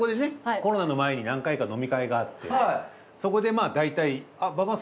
コロナの前に何回か飲み会があってそこでまあ